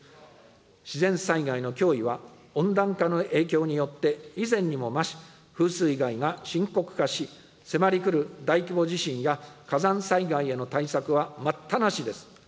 自然災害の脅威は温暖化の影響によって、以前にも増し、風水害が深刻化し、迫りくる大規模地震や火山災害への対策は待ったなしです。